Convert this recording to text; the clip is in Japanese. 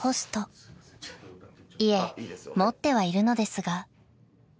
［いえ持ってはいるのですが］